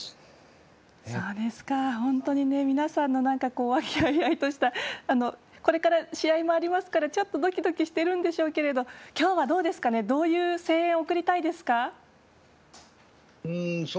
本当に皆さんのわきあいあいとしたこれから試合もありますからちょっとドキドキしてるんでしょうけどきょうはどういう声援を送りたいですか？